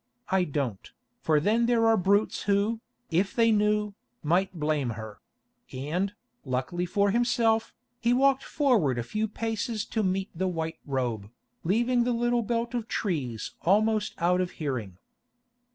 "No, I don't, for then there are brutes who, if they knew, might blame her"; and, luckily for himself, he walked forward a few paces to meet the white robe, leaving the little belt of trees almost out of hearing.